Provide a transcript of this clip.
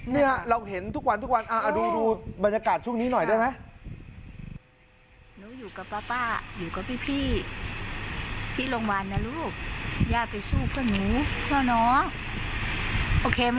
เนี่ยเราเห็นทุกวันทุกวันดูบรรยากาศช่วงนี้หน่อยได้ไหม